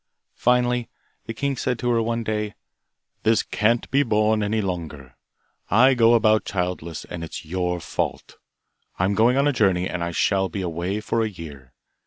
Finally, the king said to her one day, 'This can't be borne any longer. I go about childless, and it's your fault. I am going on a journey and shall be away for a year.